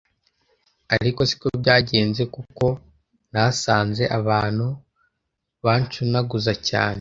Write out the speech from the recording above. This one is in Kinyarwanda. ariko siko byagenze kuko nahasanze abantu baranshunaguza cyane